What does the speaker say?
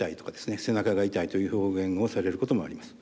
背中が痛いという表現をされることもあります。